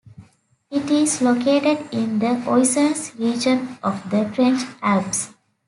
It is located in the Oisans region of the French Alps.